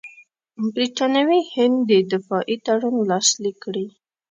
برټانوي هند دې دفاعي تړون لاسلیک کړي.